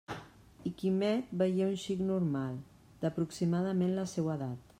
I Quimet veié un xic normal d'aproximadament la seua edat.